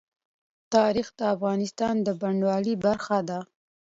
تاریخ د افغانستان د بڼوالۍ برخه ده.